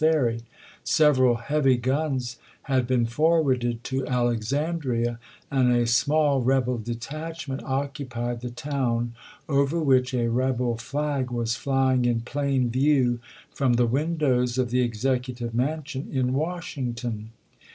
Ferry; several heavy guns had been forwarded to Alexandria, and a small rebel detachment occu pied the town, over which a rebel flag was flying in plain view from the windows of the Execu tive Mansion in Washington.